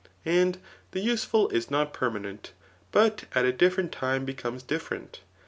And the useful is nc^ permanent, but at a different time becomes different.